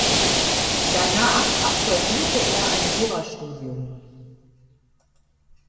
Danach absolvierte er ein Jurastudium.